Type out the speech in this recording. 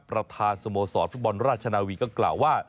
ประธานสโมสรฟุตบอลราชนาวีก็กล่าวว่า